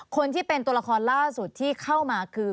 คนที่เป็นตัวละครล่าสุดที่เข้ามาคือ